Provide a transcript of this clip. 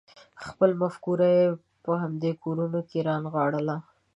خپله مفکوره یې په همدې کورونو کې رانغاړله.